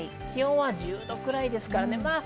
気温は１０度くらいです。